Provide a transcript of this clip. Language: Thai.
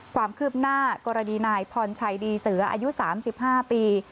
ความคืบหน้ากรณีนายพรชัยดีเสืออายุ๓๕ปี